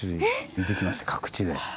出てきました各地で。